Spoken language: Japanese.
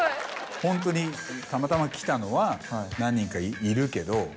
ホントにたまたま来たのは何人かいるけど。